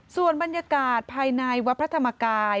ส่วนบรรยากาศภายในวัดพระธรรมกาย